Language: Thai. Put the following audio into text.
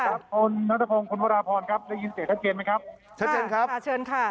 คนนักระทรพงศ์คุณพระราพรก็ยินเสียงชัดเจนมั้ยครับ